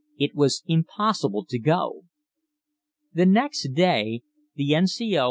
It was impossible to go. The next day the N.C.O.